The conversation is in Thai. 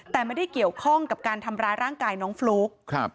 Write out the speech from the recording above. แต่ไม่ได้เกี่ยวข้องกับการทำร้ายร่างกายน้องฟลุ๊ก